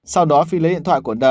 sau đó phi lấy điện thoại của n